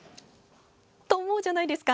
そう思うじゃないですか。